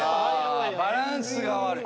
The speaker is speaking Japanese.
バランスが悪い。